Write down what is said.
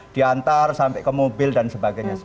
diantar sampai ke mobil dan sebagainya